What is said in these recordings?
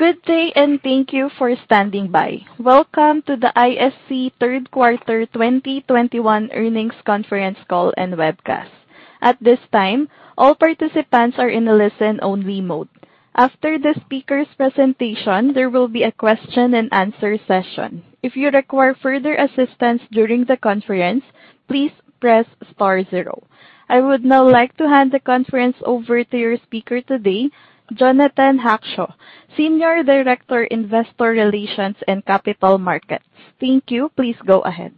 Good day, and thank you for standing by. Welcome to the ISC third quarter 2021 earnings conference call and webcast. At this time, all participants are in a listen-only mode. After the speaker's presentation, there will be a question-and-answer session. If you require further assistance during the conference, please press star zero. I would now like to hand the conference over to your speaker today, Jonathan Hackshaw, Senior Director, Investor Relations and Capital Markets. Thank you. Please go ahead.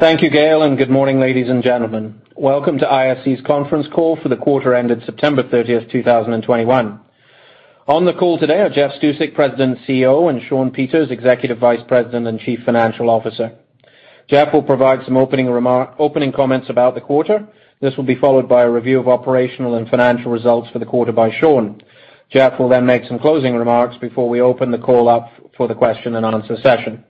Thank you, Gail, and good morning, ladies and gentlemen. Welcome to ISC's conference call for the quarter ended September 30, 2021. On the call today are Jeff Stusek, President and CEO, and Shawn Peters, Executive Vice President and Chief Financial Officer. Jeff will provide some opening comments about the quarter. This will be followed by a review of operational and financial results for the quarter by Shawn. Jeff will then make some closing remarks before we open the call up for the question-and-answer session.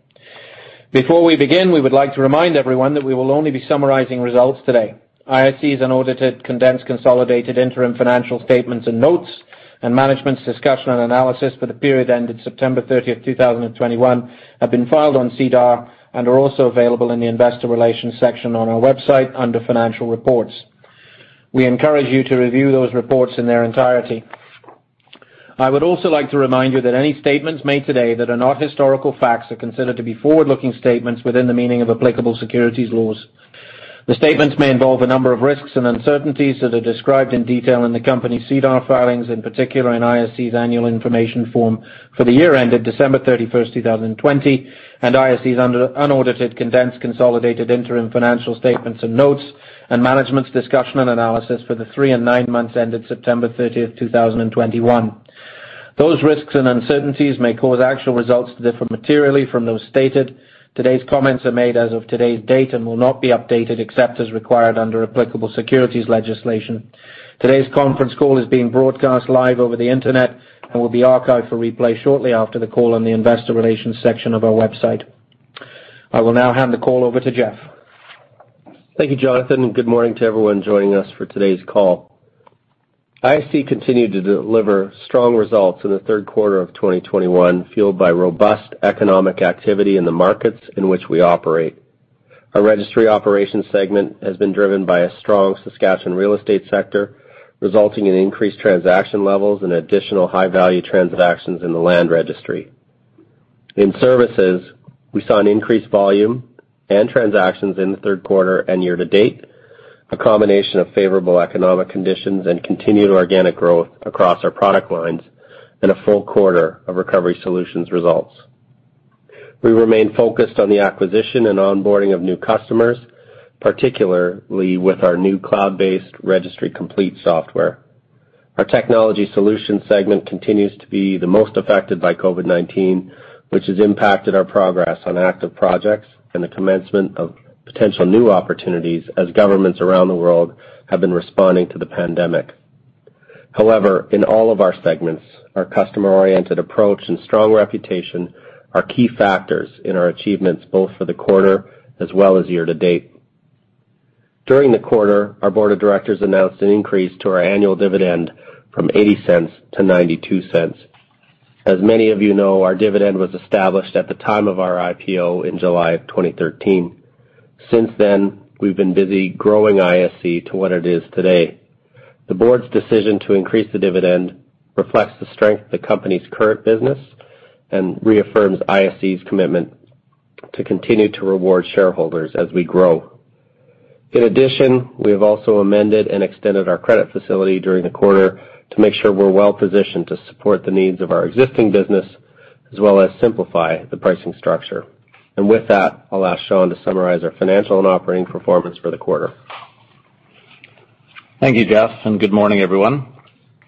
Before we begin, we would like to remind everyone that we will only be summarizing results today. ISC's unaudited, condensed, consolidated interim financial statements and notes and management's discussion and analysis for the period ended September 30, 2021, have been filed on SEDAR and are also available in the investor relations section on our website under Financial Reports. We encourage you to review those reports in their entirety. I would also like to remind you that any statements made today that are not historical facts are considered to be forward-looking statements within the meaning of applicable securities laws. The statements may involve a number of risks and uncertainties that are described in detail in the company's SEDAR filings, in particular in ISC's annual information form for the year ended December 31, 2020, and ISC's unaudited, condensed, consolidated interim financial statements and notes and management's discussion and analysis for the three and nine months ended September 30, 2021. Those risks and uncertainties may cause actual results to differ materially from those stated. Today's comments are made as of today's date and will not be updated except as required under applicable securities legislation. Today's conference call is being broadcast live over the Internet and will be archived for replay shortly after the call on the investor relations section of our website. I will now hand the call over to Jeff. Thank you, Jonathan, and good morning to everyone joining us for today's call. ISC continued to deliver strong results in the third quarter of 2021, fueled by robust economic activity in the markets in which we operate. Our Registry Operations segment has been driven by a strong Saskatchewan real estate sector, resulting in increased transaction levels and additional high-value transactions in the Land Registry. In Services, we saw an increased volume and transactions in the third quarter and year to date, a combination of favorable economic conditions and continued organic growth across our product lines and a full quarter of Recovery Solutions results. We remain focused on the acquisition and onboarding of new customers, particularly with our new cloud-based Registry Complete software. Our Technology Solutions segment continues to be the most affected by COVID-19, which has impacted our progress on active projects and the commencement of potential new opportunities as governments around the world have been responding to the pandemic. However, in all of our segments, our customer-oriented approach and strong reputation are key factors in our achievements, both for the quarter as well as year to date. During the quarter, our Board of Directors announced an increase to our annual dividend from 0.80-0.92. As many of you know, our dividend was established at the time of our IPO in July 2013. Since then, we've been busy growing ISC to what it is today. The Board's decision to increase the dividend reflects the strength of the company's current business and reaffirms ISC's commitment to continue to reward shareholders as we grow. In addition, we have also amended and extended our credit facility during the quarter to make sure we're well positioned to support the needs of our existing business, as well as simplify the pricing structure. With that, I'll ask Shawn to summarize our financial and operating performance for the quarter. Thank you, Jeff, and good morning, everyone.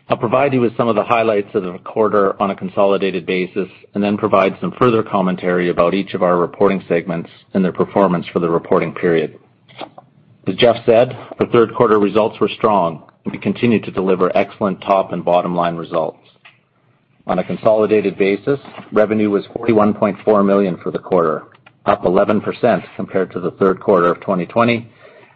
I'll provide you with some of the highlights of the quarter on a consolidated basis, and then provide some further commentary about each of our reporting segments and their performance for the reporting period. As Jeff said, the third quarter results were strong, and we continued to deliver excellent top and bottom-line results. On a consolidated basis, revenue was 41.4 million for the quarter, up 11% compared to the third quarter of 2020,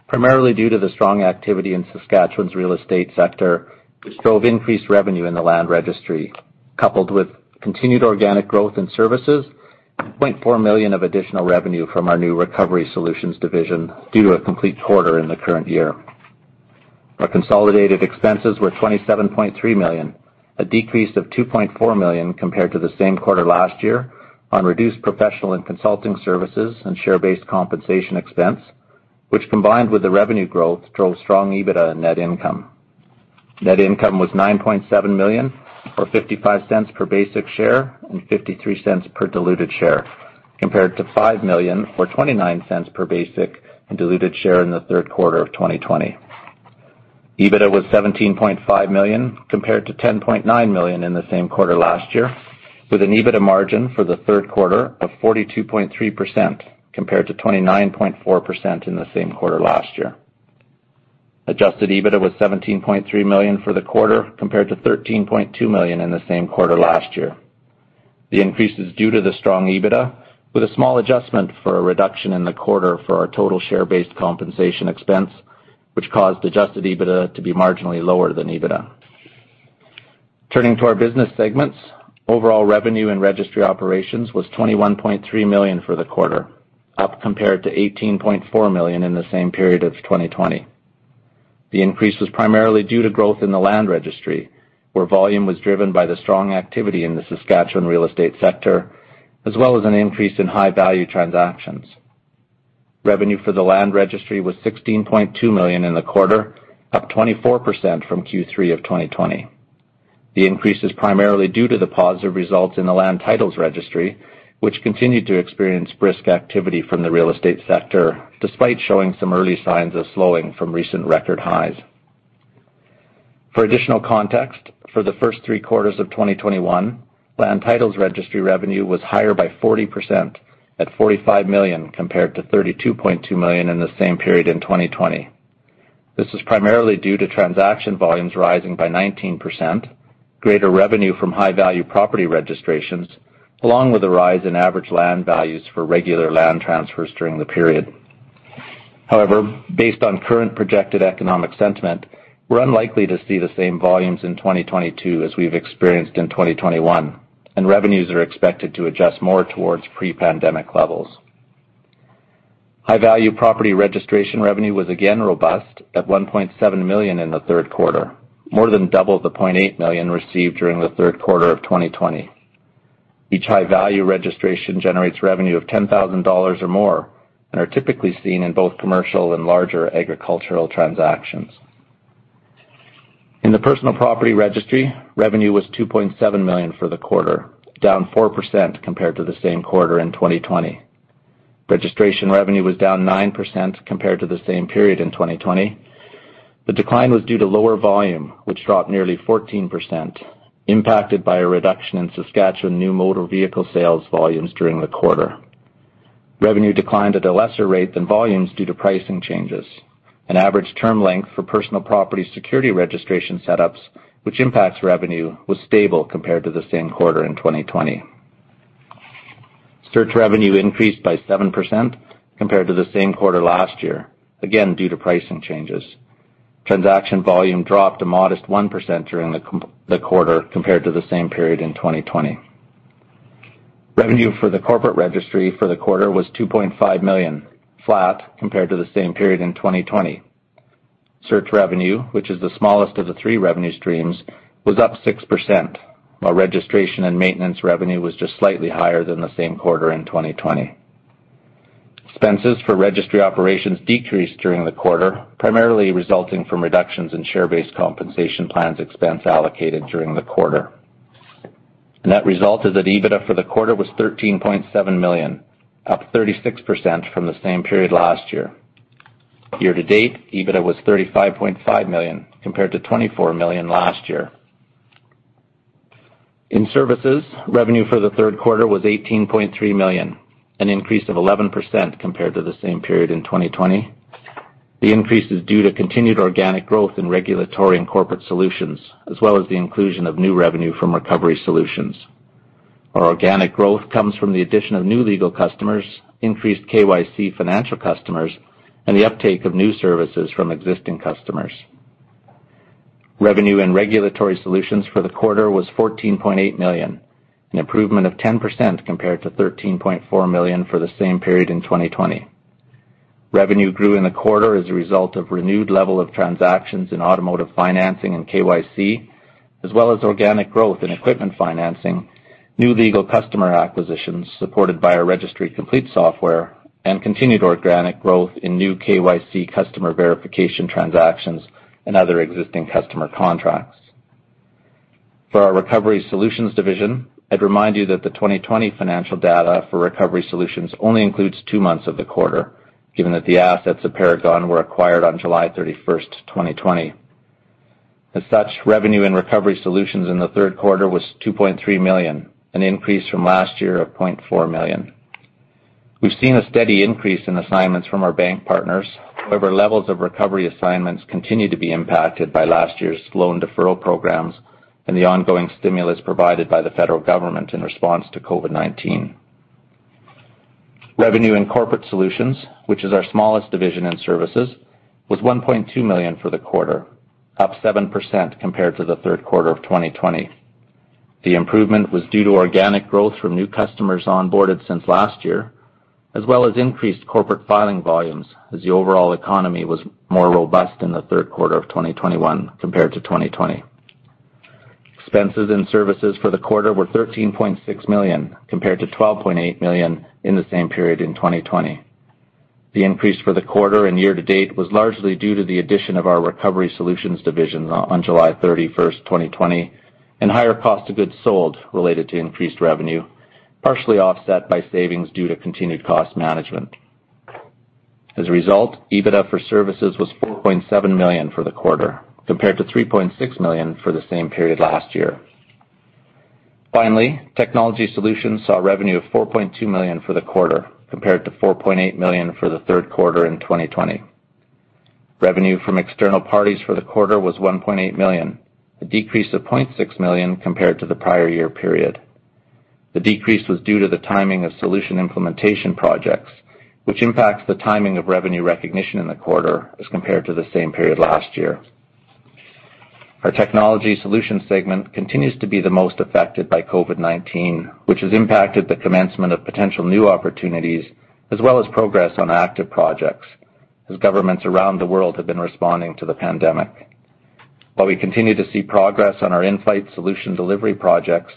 primarily due to the strong activity in Saskatchewan's real estate sector, which drove increased revenue in the Land Registry, coupled with continued organic growth in services and 0.4 million of additional revenue from our new Recovery Solutions division due to a complete quarter in the current year. Our consolidated expenses were 27.3 million, a decrease of 2.4 million compared to the same quarter last year on reduced professional and consulting services and share-based compensation expense, which, combined with the revenue growth, drove strong EBITDA and net income. Net income was 9.7 million, or 0.55 per basic share and 0.53 per diluted share, compared to 5 million or 0.29 per basic and diluted share in the third quarter of 2020. EBITDA was 17.5 million compared to 10.9 million in the same quarter last year, with an EBITDA margin for the third quarter of 42.3% compared to 29.4% in the same quarter last year. Adjusted EBITDA was 17.3 million for the quarter compared to 13.2 million in the same quarter last year. The increase is due to the strong EBITDA, with a small adjustment for a reduction in the quarter for our total share-based compensation expense, which caused adjusted EBITDA to be marginally lower than EBITDA. Turning to our business segments, overall revenue in Registry Operations was CAD 21.3 million for the quarter, up compared to CAD 18.4 million in the same period of 2020. The increase was primarily due to growth in the Land Registry, where volume was driven by the strong activity in the Saskatchewan real estate sector, as well as an increase in high-value transactions. Revenue for the Land Registry was CAD 16.2 million in the quarter, up 24% from Q3 of 2020. The increase is primarily due to the positive results in the Land Registry, which continued to experience brisk activity from the real estate sector, despite showing some early signs of slowing from recent record highs. For additional context, for the first three quarters of 2021, Land Registry revenue was higher by 40% at 45 million compared to 32.2 million in the same period in 2020. This is primarily due to transaction volumes rising by 19%, greater revenue from high-value property registrations, along with a rise in average land values for regular land transfers during the period. However, based on current projected economic sentiment, we're unlikely to see the same volumes in 2022 as we've experienced in 2021, and revenues are expected to adjust more towards pre-pandemic levels. High-value property registration revenue was again robust at 1.7 million in the third quarter, more than double the 0.8 million received during the third quarter of 2020. Each high-value registration generates revenue of 10,000 dollars or more and are typically seen in both commercial and larger agricultural transactions. In the Personal Property Registry, revenue was 2.7 million for the quarter, down 4% compared to the same quarter in 2020. Registration revenue was down 9% compared to the same period in 2020. The decline was due to lower volume, which dropped nearly 14%, impacted by a reduction in Saskatchewan new motor vehicle sales volumes during the quarter. Revenue declined at a lesser rate than volumes due to pricing changes. An average term length for personal property security registration setups, which impacts revenue, was stable compared to the same quarter in 2020. Search revenue increased by 7% compared to the same quarter last year, again due to pricing changes. Transaction volume dropped a modest 1% during the quarter compared to the same period in 2020. Revenue for the Corporate Registry for the quarter was 2.5 million, flat compared to the same period in 2020. Search revenue, which is the smallest of the three revenue streams, was up 6%, while registration and maintenance revenue was just slightly higher than the same quarter in 2020. Expenses for registry operations decreased during the quarter, primarily resulting from reductions in share-based compensation plans expense allocated during the quarter. Net result is that EBITDA for the quarter was 13.7 million, up 36% from the same period last year. Year-to-date, EBITDA was 35.5 million, compared to 24 million last year. In Services, revenue for the third quarter was 18.3 million, an increase of 11% compared to the same period in 2020. The increase is due to continued organic growth in Regulatory and Corporate Solutions, as well as the inclusion of new revenue from Recovery Solutions. Our organic growth comes from the addition of new legal customers, increased KYC financial customers, and the uptake of new services from existing customers. Revenue in Regulatory Solutions for the quarter was 14.8 million, an improvement of 10% compared to 13.4 million for the same period in 2020. Revenue grew in the quarter as a result of renewed level of transactions in automotive financing and KYC, as well as organic growth in equipment financing, new legal customer acquisitions supported by our Registry Complete software, and continued organic growth in new KYC customer verification transactions and other existing customer contracts. For our Recovery Solutions division, I'd remind you that the 2020 financial data for Recovery Solutions only includes 2 months of the quarter, given that the assets of Paragon were acquired on July 31st, 2020. As such, revenue in Recovery Solutions in the third quarter was 2.3 million, an increase from last year of 0.4 million. We've seen a steady increase in assignments from our bank partners. However, levels of recovery assignments continue to be impacted by last year's loan deferral programs and the ongoing stimulus provided by the federal government in response to COVID-19. Revenue in Corporate Solutions, which is our smallest division in services, was 1.2 million for the quarter, up 7% compared to the third quarter of 2020. The improvement was due to organic growth from new customers onboarded since last year, as well as increased corporate filing volumes as the overall economy was more robust in the third quarter of 2021 compared to 2020. Expenses in services for the quarter were 13.6 million, compared to 12.8 million in the same period in 2020. The increase for the quarter and year-to-date was largely due to the addition of our Recovery Solutions division on July 31, 2020, and higher cost of goods sold related to increased revenue, partially offset by savings due to continued cost management. As a result, EBITDA for services was 4.7 million for the quarter, compared to 3.6 million for the same period last year. Finally, Technology Solutions saw revenue of 4.2 million for the quarter, compared to 4.8 million for the third quarter in 2020. Revenue from external parties for the quarter was 1.8 million, a decrease of 0.6 million compared to the prior year period. The decrease was due to the timing of solution implementation projects, which impacts the timing of revenue recognition in the quarter as compared to the same period last year. Our Technology Solutions segment continues to be the most affected by COVID-19, which has impacted the commencement of potential new opportunities as well as progress on active projects as governments around the world have been responding to the pandemic. While we continue to see progress on our in-flight solution delivery projects,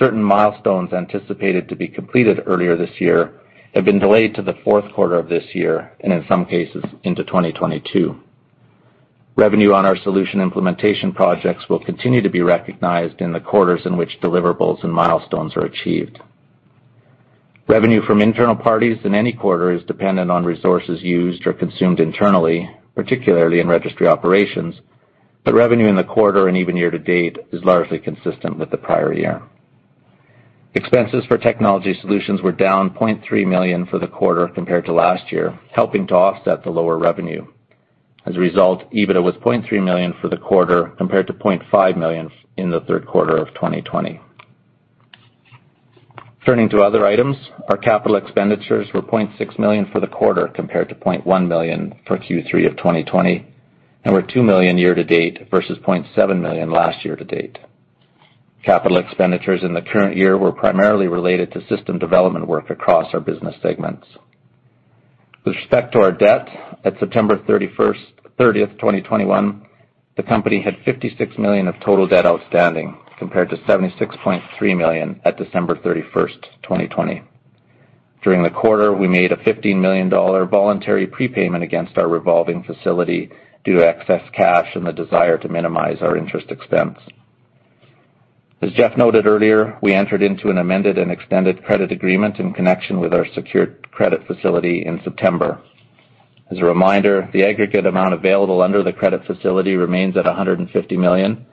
certain milestones anticipated to be completed earlier this year have been delayed to the fourth quarter of this year, and in some cases, into 2022. Revenue on our solution implementation projects will continue to be recognized in the quarters in which deliverables and milestones are achieved. Revenue from internal parties in any quarter is dependent on resources used or consumed internally, particularly in Registry Operations, but revenue in the quarter and even year to date is largely consistent with the prior year. Expenses for Technology Solutions were down 0.3 million for the quarter compared to last year, helping to offset the lower revenue. As a result, EBITDA was 0.3 million for the quarter compared to 0.5 million in the third quarter of 2020. Turning to other items, our capital expenditures were 0.6 million for the quarter compared to 0.1 million for Q3 of 2020, and were 2 million year to date versus 0.7 million last year to date. Capital expenditures in the current year were primarily related to system development work across our business segments. With respect to our debt, at September 30, 2021, the company had 56 million of total debt outstanding compared to 76.3 million at December 31, 2020. During the quarter, we made a 15 million dollar voluntary prepayment against our revolving facility due to excess cash and the desire to minimize our interest expense. As Jeff noted earlier, we entered into an amended and extended credit agreement in connection with our secured credit facility in September. As a reminder, the aggregate amount available under the credit facility remains at 150 million,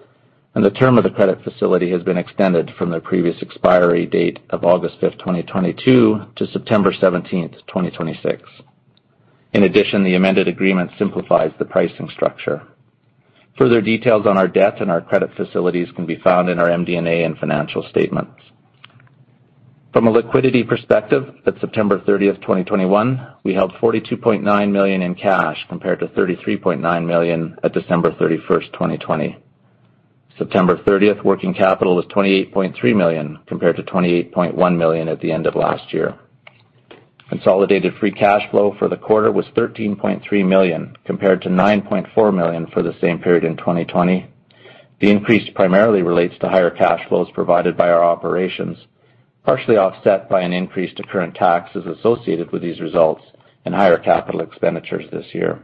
and the term of the credit facility has been extended from the previous expiry date of August 5, 2022 to September 17, 2026. In addition, the amended agreement simplifies the pricing structure. Further details on our debt and our credit facilities can be found in our MD&A and financial statements. From a liquidity perspective, at September 30, 2021, we held 42.9 million in cash compared to 33.9 million at December 31, 2020. September 30th, working capital was 28.3 million compared to 28.1 million at the end of last year. Consolidated free cash flow for the quarter was 13.3 million compared to 9.4 million for the same period in 2020. The increase primarily relates to higher cash flows provided by our operations, partially offset by an increase to current taxes associated with these results and higher capital expenditures this year.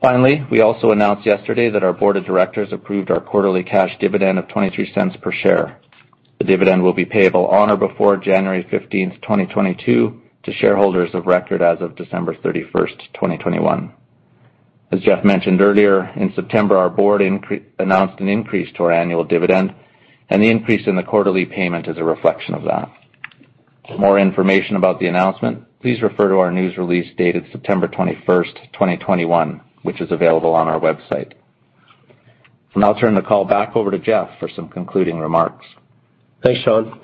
Finally, we also announced yesterday that our board of directors approved our quarterly cash dividend of 0.23 per share. The dividend will be payable on or before January 15, 2022 to shareholders of record as of December 31, 2021. As Jeff mentioned earlier, in September, our board announced an increase to our annual dividend, and the increase in the quarterly payment is a reflection of that. For more information about the announcement, please refer to our news release dated September 21, 2021, which is available on our website. I'll turn the call back over to Jeff for some concluding remarks. Thanks, Shawn.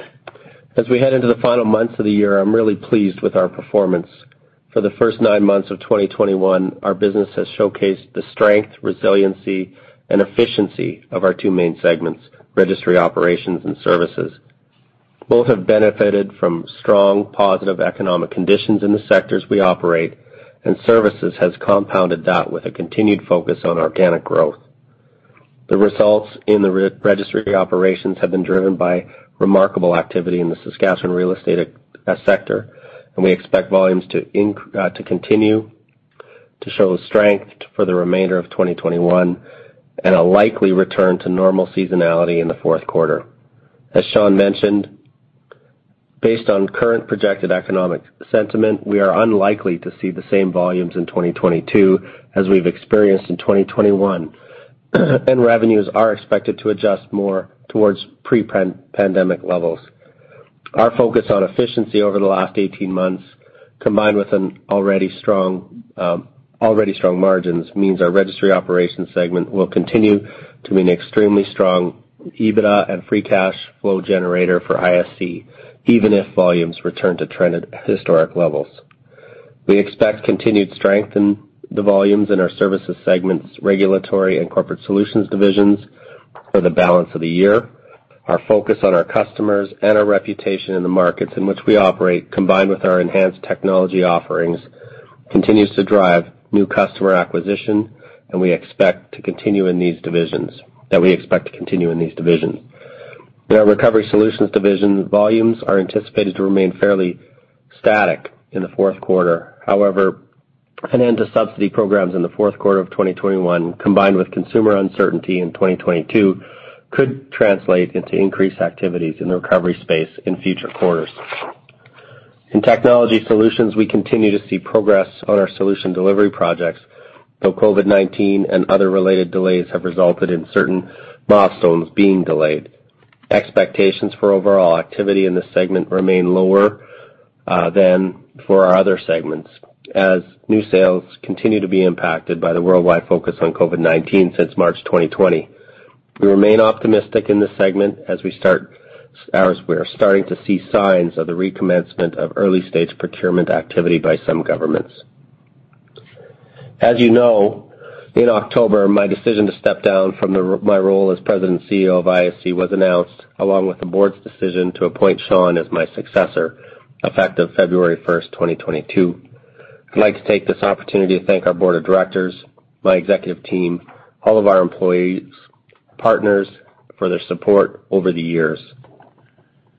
As we head into the final months of the year, I'm really pleased with our performance. For the first 9 months of 2021, our business has showcased the strength, resiliency, and efficiency of our two main segments, Registry Operations and Services. Both have benefited from strong, positive economic conditions in the sectors we operate, and Services has compounded that with a continued focus on organic growth. The results in the Registry Operations have been driven by remarkable activity in the Saskatchewan real estate sector, and we expect volumes to continue to show strength for the remainder of 2021 and a likely return to normal seasonality in the fourth quarter. As Shawn mentioned, based on current projected economic sentiment, we are unlikely to see the same volumes in 2022 as we've experienced in 2021, and revenues are expected to adjust more towards pre-pandemic levels. Our focus on efficiency over the last 18 months, combined with an already strong margins, means our registry operations segment will continue to be an extremely strong EBITDA and free cash flow generator for ISC, even if volumes return to trend at historic levels. We expect continued strength in the volumes in our services segments Regulatory and Corporate Solutions divisions for the balance of the year. Our focus on our customers and our reputation in the markets in which we operate, combined with our enhanced technology offerings, continues to drive new customer acquisition, and we expect to continue in these divisions. In our Recovery Solutions division, volumes are anticipated to remain fairly static in the fourth quarter. However, an end to subsidy programs in the fourth quarter of 2021, combined with consumer uncertainty in 2022, could translate into increased activities in the recovery space in future quarters. In Technology Solutions, we continue to see progress on our solution delivery projects, though COVID-19 and other related delays have resulted in certain milestones being delayed. Expectations for overall activity in this segment remain lower than for our other segments as new sales continue to be impacted by the worldwide focus on COVID-19 since March 2020. We remain optimistic in this segment as we're starting to see signs of the recommencement of early-stage procurement activity by some governments. As you know, in October, my decision to step down from my role as President and CEO of ISC was announced, along with the board's decision to appoint Shawn as my successor, effective February first, 2022. I'd like to take this opportunity to thank our board of directors, my executive team, all of our employees, partners for their support over the years.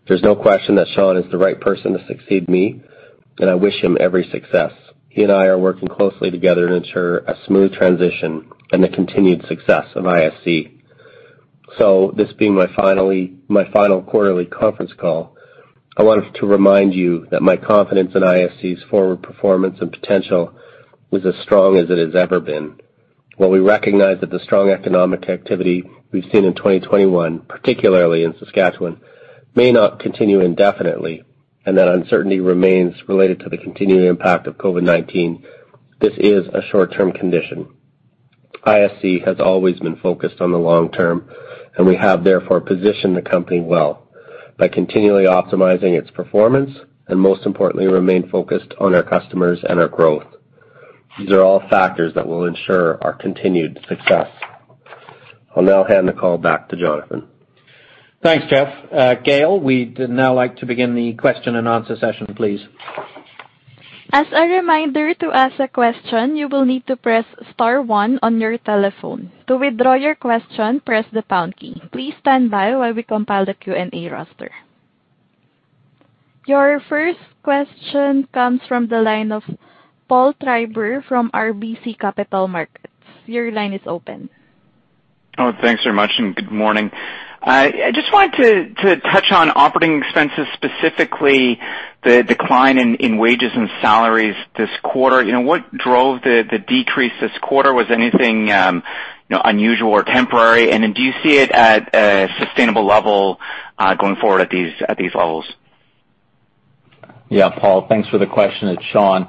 There's no question that Shawn is the right person to succeed me, and I wish him every success. He and I are working closely together to ensure a smooth transition and the continued success of ISC. This being my final quarterly conference call, I want to remind you that my confidence in ISC's forward performance and potential was as strong as it has ever been. While we recognize that the strong economic activity we've seen in 2021, particularly in Saskatchewan, may not continue indefinitely and that uncertainty remains related to the continuing impact of COVID-19, this is a short-term condition. ISC has always been focused on the long term, and we have therefore positioned the company well by continually optimizing its performance and most importantly, remain focused on our customers and our growth. These are all factors that will ensure our continued success. I'll now hand the call back to Jonathan. Thanks, Jeff. Gail, we'd now like to begin the question-and-answer session, please. As a reminder, to ask a question, you will need to press star one on your telephone. To withdraw your question, press the pound key. Please stand by while we compile the Q&A roster. Your first question comes from the line of Paul Treiber from RBC Capital Markets. Your line is open. Oh, thanks very much, and good morning. I just wanted to touch on operating expenses, specifically the decline in wages and salaries this quarter. You know, what drove the decrease this quarter? Was anything unusual or temporary? Do you see it at a sustainable level going forward at these levels? Yeah. Paul, thanks for the question. It's Shawn.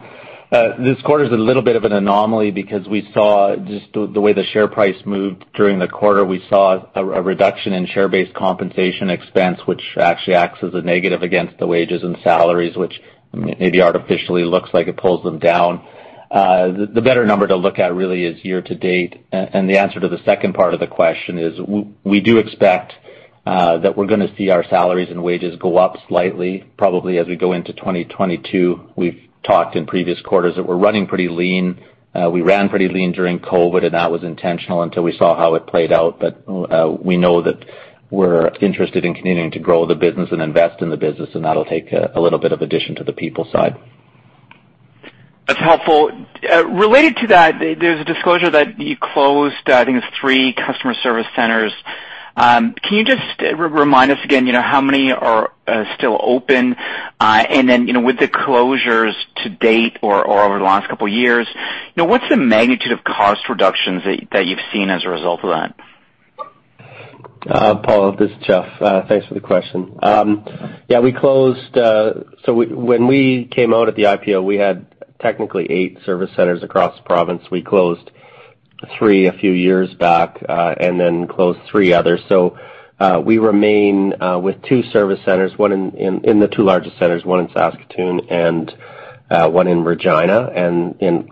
This quarter's a little bit of an anomaly because we saw just the way the share price moved during the quarter. We saw a reduction in share-based compensation expense, which actually acts as a negative against the wages and salaries, which maybe artificially looks like it pulls them down. The better number to look at really is year to date. And the answer to the second part of the question is we do expect that we're gonna see our salaries and wages go up slightly, probably as we go into 2022. We've talked in previous quarters that we're running pretty lean. We ran pretty lean during COVID, and that was intentional until we saw how it played out. We know that we're interested in continuing to grow the business and invest in the business, and that'll take a little bit of addition to the people side. That's helpful. Related to that, there's a disclosure that you closed, I think it's 3 customer service centers. Can you just remind us again, you know, how many are still open? You know, with the closures to date or over the last couple years, what's the magnitude of cost reductions that you've seen as a result of that? Paul, this is Jeff. Thanks for the question. Yeah, we closed. When we came out at the IPO, we had technically eight service centers across the province. We closed three a few years back, and then closed three others. We remain with two service centers, one in the two largest centers, one in Saskatoon and one in Regina.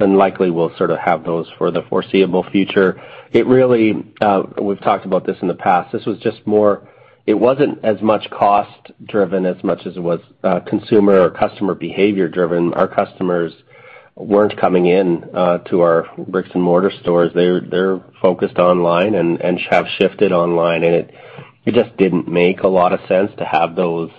Likely we'll sort of have those for the foreseeable future. We've talked about this in the past. This was just more, it wasn't as much cost driven as much as it was consumer or customer behavior driven. Our customers weren't coming in to our bricks-and-mortar stores. They're focused online and have shifted online. It just didn't make a lot of sense to have those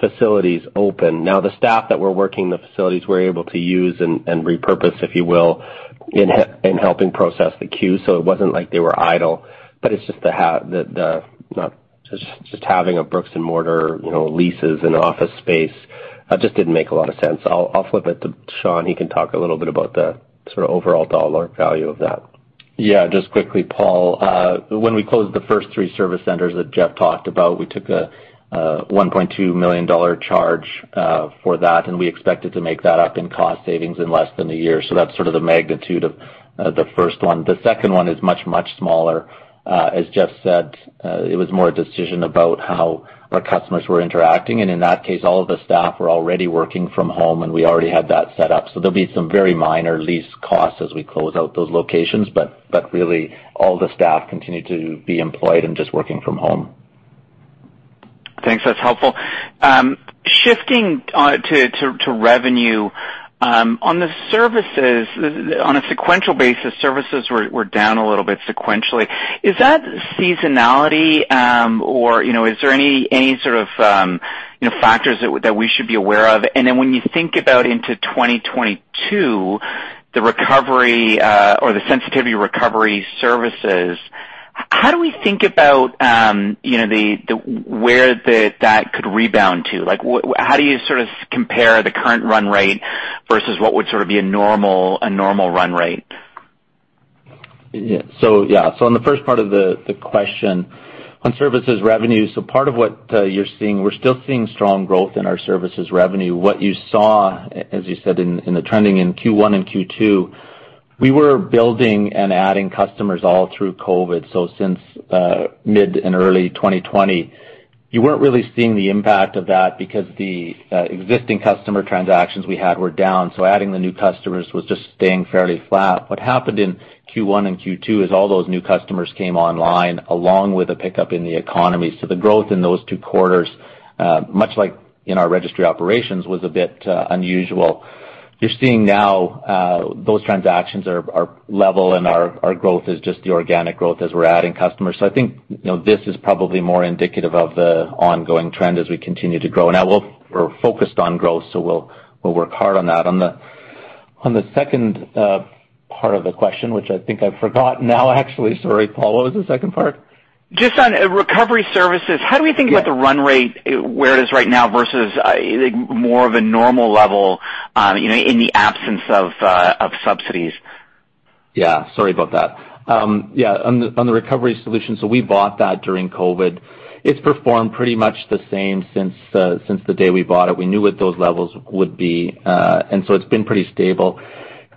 facilities open. Now, the staff that were working the facilities we're able to use and repurpose, if you will, in helping process the queue, so it wasn't like they were idle, but it's just the hassle, not just having a bricks-and-mortar, you know, leases and office space just didn't make a lot of sense. I'll flip it to Shawn. He can talk a little bit about the sort of overall dollar value of that. Yeah. Just quickly, Paul. When we closed the first three service centers that Jeff talked about, we took a 1.2 million dollar charge for that, and we expected to make that up in cost savings in less than a year. That's sort of the magnitude of the first one. The second one is much, much smaller. As Jeff said, it was more a decision about how our customers were interacting. In that case, all of the staff were already working from home, and we already had that set up. There'll be some very minor lease costs as we close out those locations, but really all the staff continue to be employed and just working from home. Thanks. That's helpful. Shifting to revenue. On the services, on a sequential basis, services were down a little bit sequentially. Is that seasonality? Or you know, is there any sort of you know, factors that we should be aware of? When you think about into 2022, the recovery or the Recovery Solutions, how do we think about you know, where that could rebound to? Like, how do you sort of compare the current run rate versus what would sort of be a normal run rate? On the first part of the question on services revenue, part of what you're seeing, we're still seeing strong growth in our services revenue. What you saw, as you said in the trending in Q1 and Q2, we were building and adding customers all through COVID. Since mid and early 2020, you weren't really seeing the impact of that because the existing customer transactions we had were down. Adding the new customers was just staying fairly flat. What happened in Q1 and Q2 is all those new customers came online along with a pickup in the economy. The growth in those two quarters, much like in our registry operations, was a bit unusual. You're seeing now, those transactions are level and our growth is just the organic growth as we're adding customers. I think, you know, this is probably more indicative of the ongoing trend as we continue to grow. Now we're focused on growth, so we'll work hard on that. On the second part of the question, which I think I've forgot now, actually. Sorry, Paul, what was the second part? Just on Recovery Solutions. Yeah. How do we think about the run rate, where it is right now versus more of a normal level, you know, in the absence of subsidies? Yeah, sorry about that. Yeah, on the Recovery Solutions, we bought that during COVID-19. It's performed pretty much the same since the day we bought it. We knew what those levels would be, and it's been pretty stable.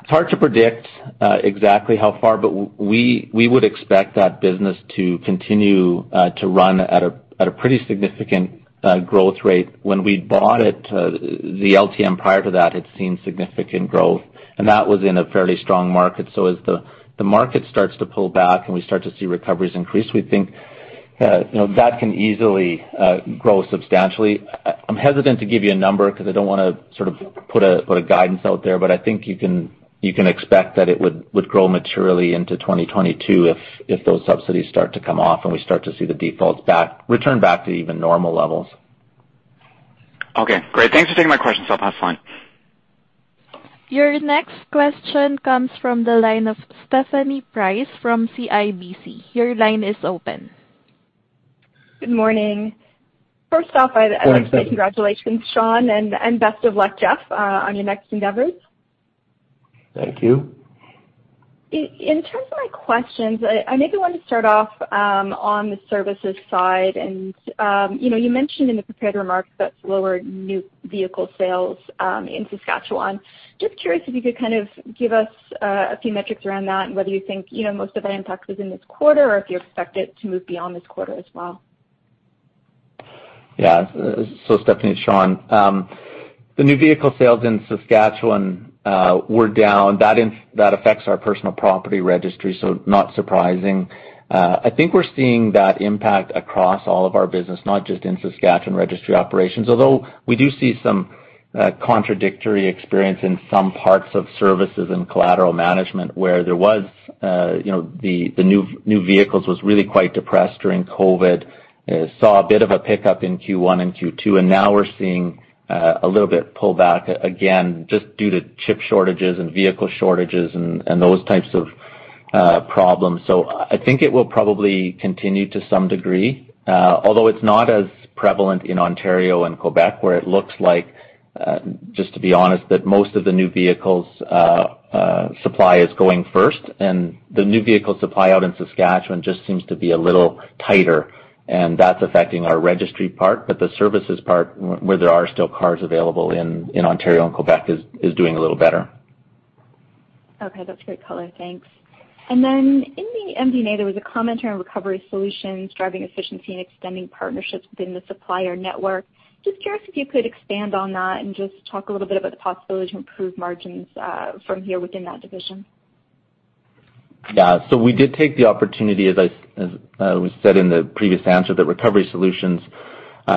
It's hard to predict exactly how far, but we would expect that business to continue to run at a pretty significant growth rate. When we bought it, the LTM prior to that had seen significant growth, and that was in a fairly strong market. As the market starts to pull back and we start to see recoveries increase, we think that can easily grow substantially. I'm hesitant to give you a number because I don't wanna sort of put a guidance out there, but I think you can expect that it would grow maturely into 2022 if those subsidies start to come off and we start to see the defaults return back to even normal levels. Okay, great. Thanks for taking my questions. I'll pass the line. Your next question comes from the line of Stephanie Price from CIBC. Your line is open. Good morning. First off, I'd like- Good morning, Stephanie. Congratulations, Shawn, and best of luck, Jeff, on your next endeavors. Thank you. In terms of my questions, I maybe want to start off on the services side. You mentioned in the prepared remarks about slower new vehicle sales in Saskatchewan. Just curious if you could kind of give us a few metrics around that and whether you think most of that impact was in this quarter or if you expect it to move beyond this quarter as well. Stephanie, it's Shawn. The new vehicle sales in Saskatchewan were down. That affects our Personal Property Registry, so not surprising. I think we're seeing that impact across all of our business, not just in Saskatchewan Registry Operations. Although we do see some contradictory experience in some parts of services and collateral management, where there was the new vehicles was really quite depressed during COVID. Saw a bit of a pickup in Q1 and Q2, and now we're seeing a little bit pullback again just due to chip shortages and vehicle shortages and those types of problems. I think it will probably continue to some degree, although it's not as prevalent in Ontario and Quebec, where it looks like, just to be honest, that most of the new vehicles supply is going first. The new vehicle supply out in Saskatchewan just seems to be a little tighter, and that's affecting our registry part. The services part, where there are still cars available in Ontario and Quebec, is doing a little better. Okay. That's great color. Thanks. In the MD&A, there was a comment around Recovery Solutions, driving efficiency and extending partnerships within the supplier network. Just curious if you could expand on that and just talk a little bit about the possibility to improve margins from here within that division? Yeah. We did take the opportunity, as was said in the previous answer, that Recovery Solutions,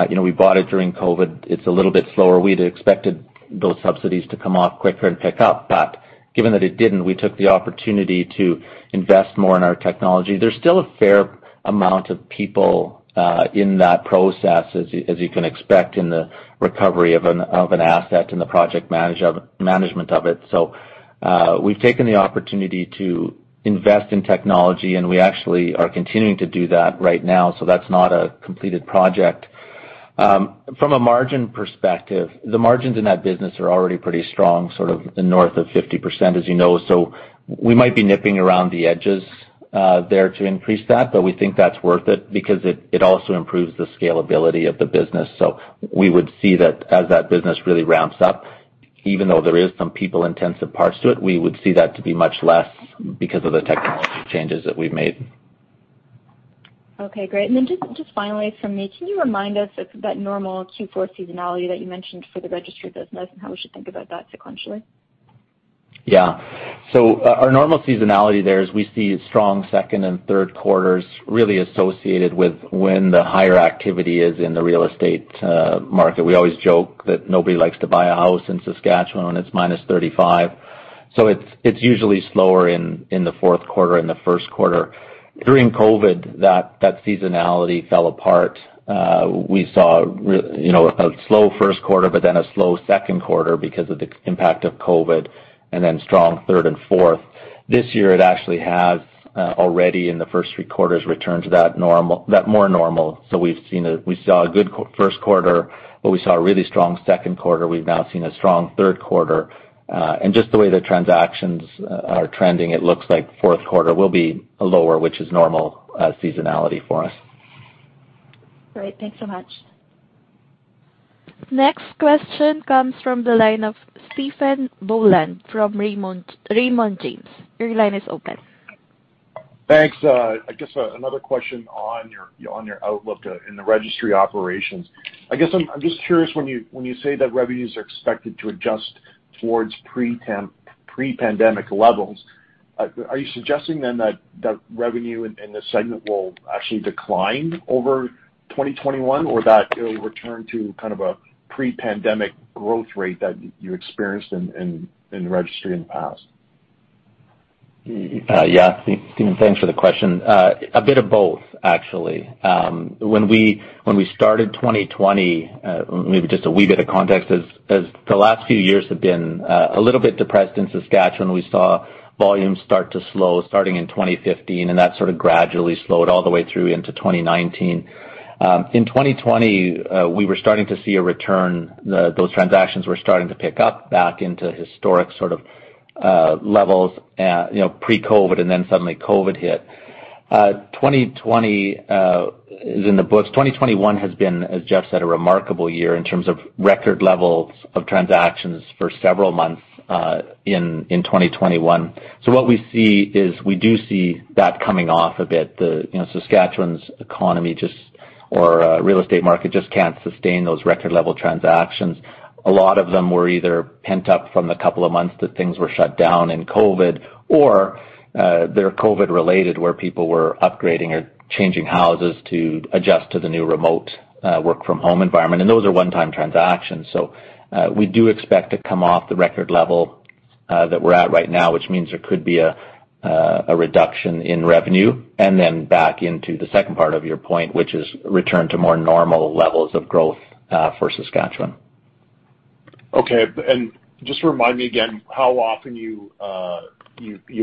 you know, we bought it during COVID-19. It's a little bit slower. We'd expected those subsidies to come off quicker and pick up. But given that it didn't, we took the opportunity to invest more in our technology. There's still a fair amount of people in that process, as you can expect in the recovery of an asset and the project management of it. We've taken the opportunity to invest in technology, and we actually are continuing to do that right now. That's not a completed project. From a margin perspective, the margins in that business are already pretty strong, sort of north of 50%, as you know. We might be nipping around the edges there to increase that, but we think that's worth it because it also improves the scalability of the business. We would see that as that business really ramps up, even though there is some people-intensive parts to it, we would see that to be much less because of the technology changes that we've made. Okay, great. Just finally from me, can you remind us of that normal Q4 seasonality that you mentioned for the registered business and how we should think about that sequentially? Our normal seasonality there is we see strong second and third quarters really associated with when the higher activity is in the real estate market. We always joke that nobody likes to buy a house in Saskatchewan when it's minus 35. It's usually slower in the fourth quarter and the first quarter. During COVID, that seasonality fell apart. We saw you know, a slow first quarter, but then a slow second quarter because of the impact of COVID and then strong third and fourth. This year, it actually has already in the first three quarters returned to that normal, that more normal. We've seen a good first quarter, but we saw a really strong second quarter. We've now seen a strong third quarter. Just the way the transactions are trending, it looks like fourth quarter will be lower, which is normal seasonality for us. Great. Thanks so much. Next question comes from the line of Stephen Boland from Raymond James. Your line is open. Thanks. I guess another question on your outlook in the Registry Operations. I guess I'm just curious when you say that revenues are expected to adjust towards pre-pandemic levels. Are you suggesting then that revenue in this segment will actually decline over 2021 or that it'll return to kind of a pre-pandemic growth rate that you experienced in the Registry in the past? Yeah. Stephen, thanks for the question. A bit of both actually. When we started 2020, maybe just a wee bit of context as the last few years have been a little bit depressed in Saskatchewan. We saw volumes start to slow starting in 2015, and that sort of gradually slowed all the way through into 2019. In 2020, we were starting to see a return. Those transactions were starting to pick up back into historic sort of levels, you know, pre-COVID, and then suddenly COVID hit. 2020 is in the books. 2021 has been, as Jeff said, a remarkable year in terms of record levels of transactions for several months in 2021. What we see is we do see that coming off a bit. You know, Saskatchewan's real estate market just can't sustain those record level transactions. A lot of them were either pent up from the couple of months that things were shut down in COVID or they're COVID related, where people were upgrading or changing houses to adjust to the new remote work from home environment, and those are one-time transactions. We do expect to come off the record level that we're at right now, which means there could be a reduction in revenue. Then back into the second part of your point, which is return to more normal levels of growth for Saskatchewan. Okay. Just remind me again how often you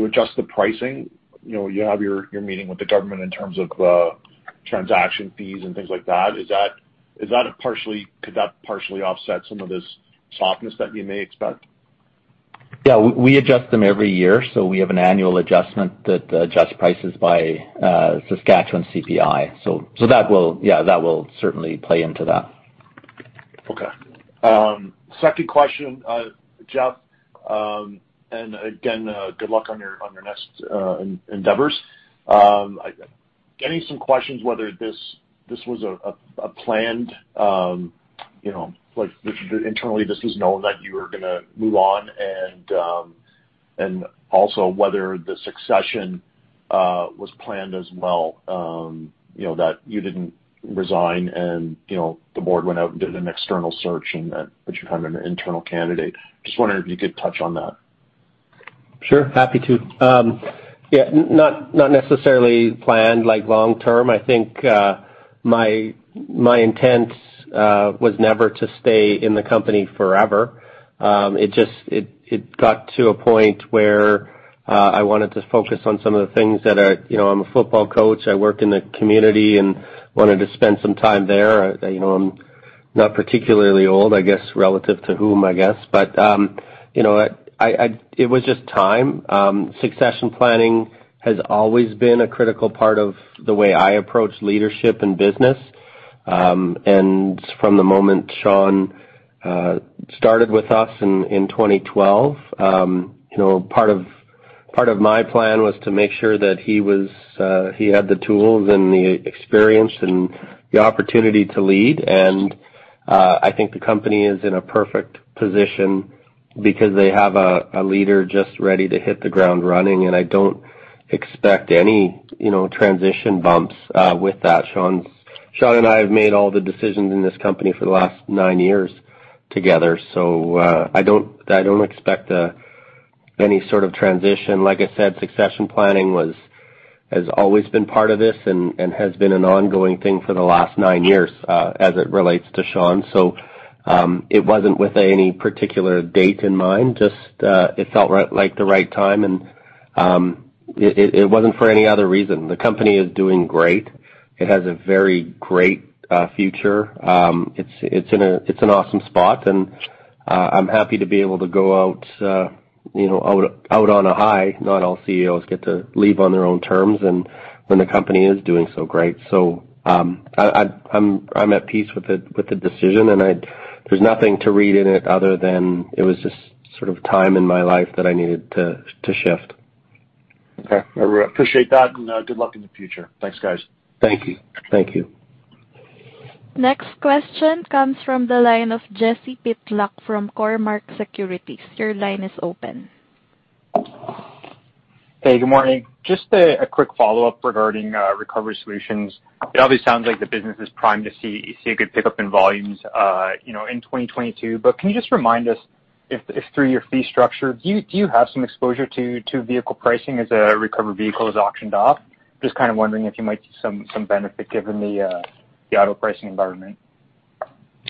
adjust the pricing. You know, you have your meeting with the government in terms of transaction fees and things like that. Could that partially offset some of this softness that you may expect? Yeah. We adjust them every year, so we have an annual adjustment that adjusts prices by Saskatchewan CPI. So that will certainly play into that. Okay. Second question, Jeff, and again, good luck on your next endeavors. Getting some questions whether this was a planned, you know, like, which internally this was known that you were gonna move on and also whether the succession was planned as well. You know, that you didn't resign and, you know, the board went out and did an external search and that you found an internal candidate. Just wondering if you could touch on that. Sure. Happy to. Yeah, not necessarily planned like long term. I think my intent was never to stay in the company forever. It just got to a point where I wanted to focus on some of the things that are. You know, I'm a football coach. I work in the community and wanted to spend some time there. You know, I'm not particularly old, I guess, relative to whom, I guess. But it was just time. Succession planning has always been a critical part of the way I approach leadership and business. From the moment Shawn started with us in 2012, you know, part of my plan was to make sure that he had the tools and the experience and the opportunity to lead. I think the company is in a perfect position because they have a leader just ready to hit the ground running, and I don't expect any, you know, transition bumps with that. Shawn and I have made all the decisions in this company for the last nine years together, so I don't expect any sort of transition. Like I said, succession planning has always been part of this and has been an ongoing thing for the last nine years as it relates to Shawn. It wasn't with any particular date in mind, just it felt right, like the right time, and it wasn't for any other reason. The company is doing great. It has a very great future. It's in a It's an awesome spot, and I'm happy to be able to go out, you know, out on a high. Not all CEOs get to leave on their own terms and when the company is doing so great. I'm at peace with the decision, and there's nothing to read in it other than it was just sort of time in my life that I needed to shift. Okay. I appreciate that and good luck in the future. Thanks, guys. Thank you. Thank you. Next question comes from the line of Jesse Pytlak from Cormark Securities. Your line is open. Hey, good morning. Just a quick follow-up regarding Recovery Solutions. It obviously sounds like the business is primed to see a good pickup in volumes, you know, in 2022. Can you just remind us if through your fee structure, do you have some exposure to vehicle pricing as a recovery vehicle is auctioned off? Just kind of wondering if you might see some benefit given the auto pricing environment.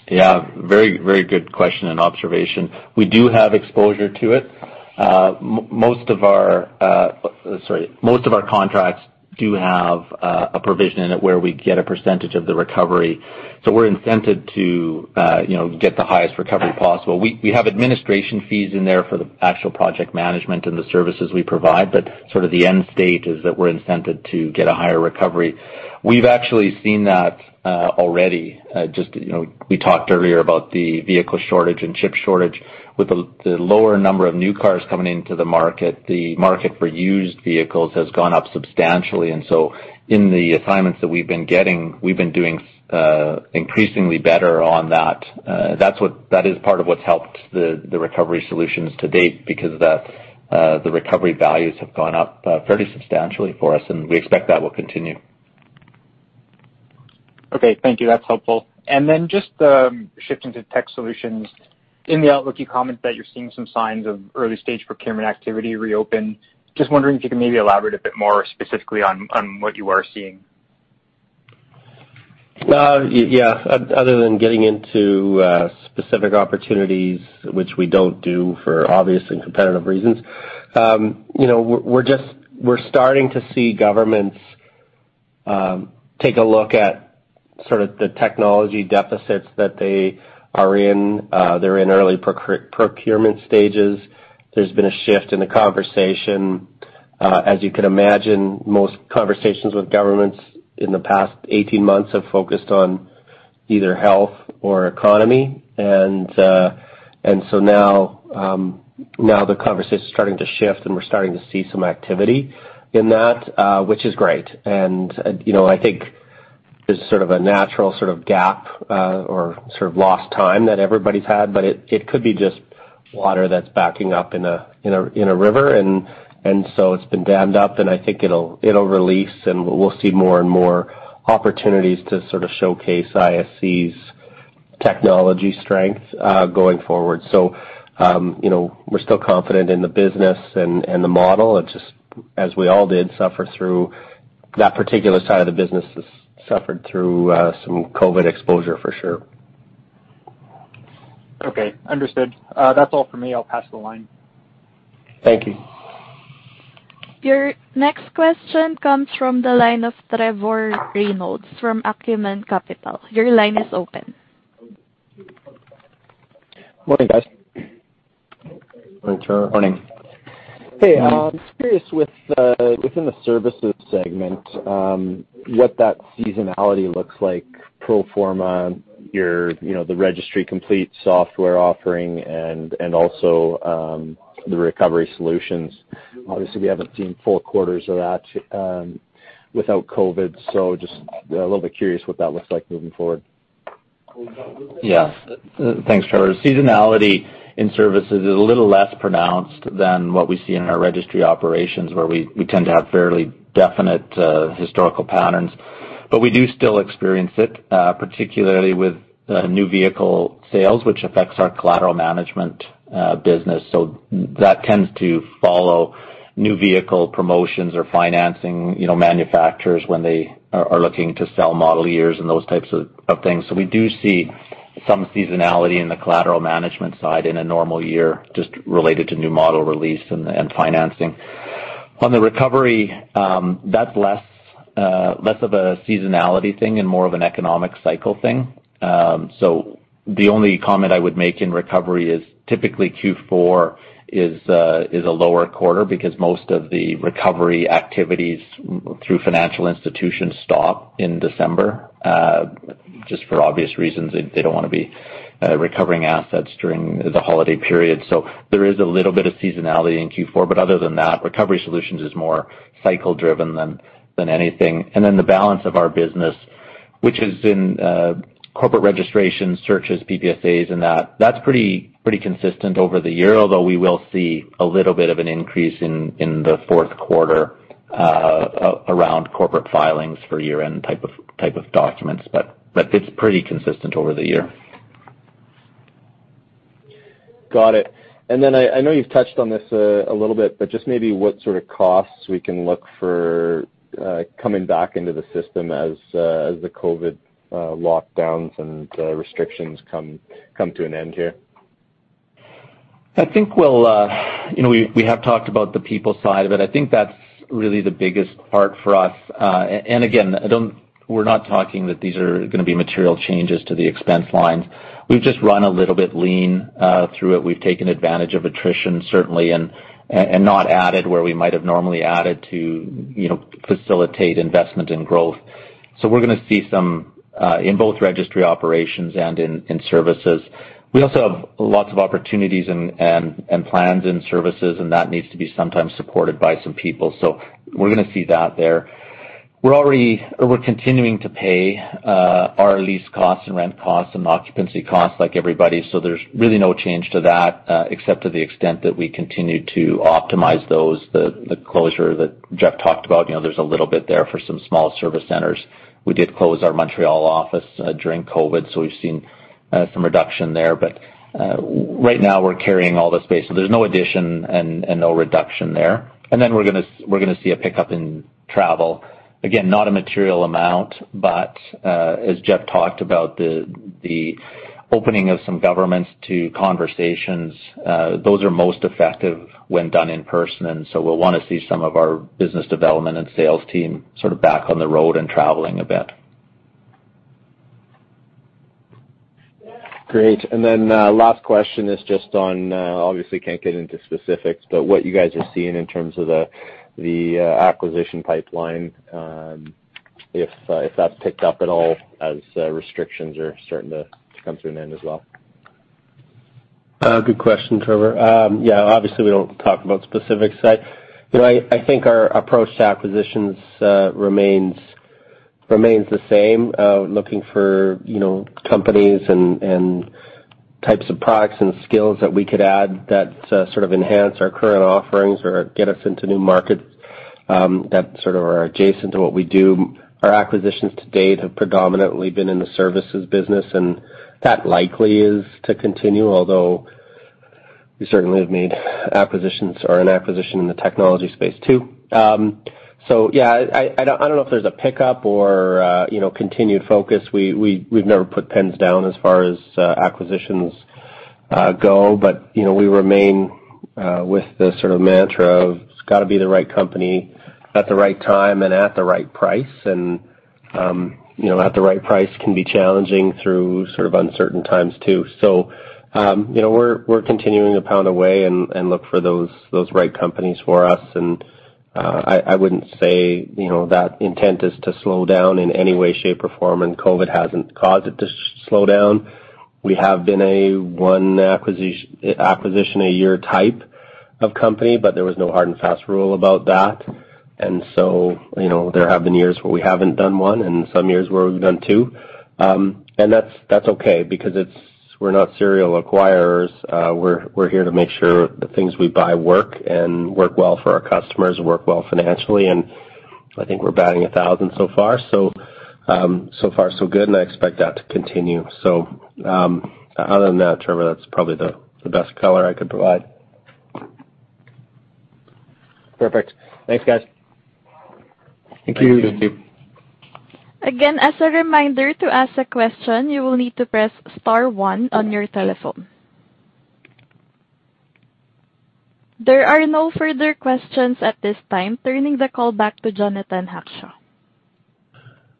Yeah. Very, very good question and observation. We do have exposure to it. Most of our contracts do have a provision in it where we get a percentage of the recovery. We're incented to, you know, get the highest recovery possible. We have administration fees in there for the actual project management and the services we provide, but sort of the end state is that we're incented to get a higher recovery. We've actually seen that already. Just, you know, we talked earlier about the vehicle shortage and chip shortage. With the lower number of new cars coming into the market, the market for used vehicles has gone up substantially. In the assignments that we've been getting, we've been doing increasingly better on that. That is part of what's helped the Recovery Solutions to date because the recovery values have gone up fairly substantially for us, and we expect that will continue. Okay. Thank you. That's helpful. Just shifting to tech solutions. In the outlook, you comment that you're seeing some signs of early stage procurement activity reopen. Just wondering if you can maybe elaborate a bit more specifically on what you are seeing. Yes. Other than getting into specific opportunities, which we don't do for obvious and competitive reasons, you know, we're just starting to see governments take a look at sort of the technology deficits that they are in. They're in early procurement stages. There's been a shift in the conversation. As you can imagine, most conversations with governments in the past eighteen months have focused on either health or economy. So now the conversation is starting to shift, and we're starting to see some activity in that, which is great. You know, I think there's sort of a natural sort of gap or sort of lost time that everybody's had, but it could be just water that's backing up in a river. It's been dammed up, and I think it'll release, and we'll see more and more opportunities to sort of showcase ISC's technology strength going forward. You know, we're still confident in the business and the model. It just, as we all did, suffered through that particular side of the business has suffered through some COVID exposure for sure. Okay, understood. That's all for me. I'll pass the line. Thank you. Your next question comes from the line of Trevor Reynolds from Acumen Capital. Your line is open. Morning, guys. Morning, Trevor. Morning. Hey, just curious within the Services segment what that seasonality looks like pro forma, the Registry Complete software offering and also the Recovery Solutions. Obviously, we haven't seen full quarters of that without COVID, so just a little bit curious what that looks like moving forward. Yes. Thanks, Trevor. Seasonality in services is a little less pronounced than what we see in our registry operations, where we tend to have fairly definite historical patterns. But we do still experience it, particularly with new vehicle sales, which affects our collateral management business. That tends to follow new vehicle promotions or financing, you know, manufacturers when they are looking to sell model years and those types of things. So we do see some seasonality in the collateral management side in a normal year just related to new model release and financing. On the recovery, that's less of a seasonality thing and more of an economic cycle thing. The only comment I would make in recovery is typically Q4 is a lower quarter because most of the recovery activities through financial institutions stop in December just for obvious reasons. They don't want to be recovering assets during the holiday period. There is a little bit of seasonality in Q4, but other than that, Recovery Solutions is more cycle driven than anything. Then the balance of our business, which is in corporate registration, searches, PPSAs and that's pretty consistent over the year, although we will see a little bit of an increase in the fourth quarter around corporate filings for year-end type of documents. It's pretty consistent over the year. Got it. I know you've touched on this a little bit, but just maybe what sort of costs we can look for coming back into the system as the COVID lockdowns and restrictions come to an end here? I think we'll, you know, we have talked about the people side of it. I think that's really the biggest part for us. Again, we're not talking that these are gonna be material changes to the expense lines. We've just run a little bit lean through it. We've taken advantage of attrition, certainly, and not added where we might have normally added to, facilitate investment and growth. We're gonna see some in both registry operations and in services. We also have lots of opportunities and plans in services, and that needs to be sometimes supported by some people. We're gonna see that there. We're continuing to pay our lease costs and rent costs and occupancy costs like everybody, so there's really no change to that, except to the extent that we continue to optimize those. The closure that Jeff talked about, you know, there's a little bit there for some small service centers. We did close our Montreal office during COVID, so we've seen some reduction there. Right now we're carrying all the space, so there's no addition and no reduction there. We're gonna see a pickup in travel. Again, not a material amount, but as Jeff talked about the opening of some governments to conversations, those are most effective when done in person. We'll wanna see some of our business development and sales team sort of back on the road and traveling a bit. Great. Last question is just on, obviously can't get into specifics, but what you guys are seeing in terms of the acquisition pipeline, if that's picked up at all as restrictions are starting to come to an end as well? Good question, Trevor. Yeah, obviously we don't talk about specifics. You know, I think our approach to acquisitions remains the same. Looking for, you know, companies and types of products and skills that we could add that sort of enhance our current offerings or get us into new markets that sort of are adjacent to what we do. Our acquisitions to date have predominantly been in the services business, and that likely is to continue, although we certainly have made acquisitions or an acquisition in the technology space too. Yeah, I don't know if there's a pickup or, you know, continued focus. We've never put pens down as far as acquisitions go, but, you know, we remain with the sort of mantra of it's gotta be the right company at the right time and at the right price. You know, at the right price can be challenging through sort of uncertain times too. You know, we're continuing to pound away and look for those right companies for us. I wouldn't say that intent is to slow down in any way, shape, or form, and COVID hasn't caused it to slow down. We have been a one acquisition a year type of company, but there was no hard and fast rule about that. You know, there have been years where we haven't done one and some years where we've done two. That's okay because we're not serial acquirers. We're here to make sure the things we buy work and work well for our customers, work well financially, and I think we're batting a thousand so far. So far so good, and I expect that to continue. Other than that, Trevor, that's probably the best color I could provide. Perfect. Thanks, guys. Thank you. Thank you. Again, as a reminder, to ask a question, you will need to press star one on your telephone. There are no further questions at this time. Turning the call back to Jonathan Hackshaw.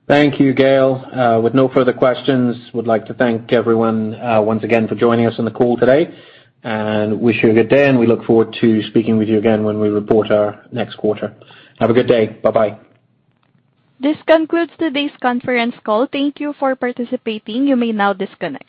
Thank you, Gail. With no further questions, I would like to thank everyone once again for joining us on the call today and wish you a good day, and we look forward to speaking with you again when we report our next quarter. Have a good day. Bye-bye. This concludes today's conference call. Thank you for participating. You may now disconnect.